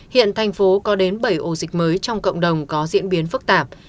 hiện thành phố có đến bảy ổ dịch mới trong cộng đồng có diễn biến phức tạp